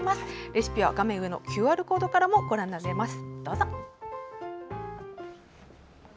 レシピは画面上のＱＲコードからもご覧になれます。